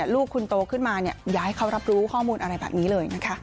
ลูกคุณโตขึ้นมาอย่าให้เขารับรู้ข้อมูลอะไรแบบนี้เลยนะคะ